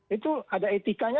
itu ada etiknya